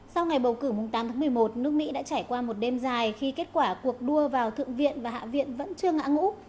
sau ngày bầu cử mùng tám tháng một mươi một nước mỹ đã trải qua một đêm dài khi kết quả cuộc đua vào thượng viện và hạ viện vẫn chưa ngã ngũ